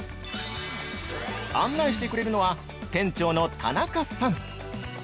案内してくれるのは店長の田中さん。